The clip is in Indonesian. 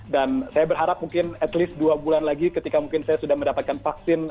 dan saya berharap mungkin setidaknya dua bulan lagi ketika mungkin saya sudah mendapatkan vaksin